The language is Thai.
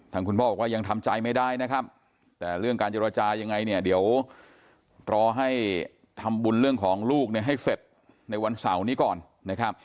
คุณพ่อบอกว่ายังทำใจไม่ได้นะครับแต่เรื่องการเจรจายังไงเนี่ยเดี๋ยวรอให้ทำบุญเรื่องของลูกเนี่ยให้เสร็จในวันเสาร์นี้ก่อนนะครับ